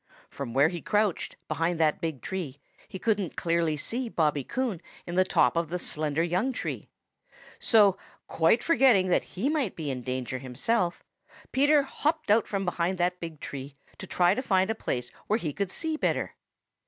From where he crouched, behind that big tree, he couldn't clearly see Bobby Coon in the top of the slender young tree. So, quite forgetting that he might be in danger himself, Peter hopped out from behind that big tree to try to find a place where he could see better.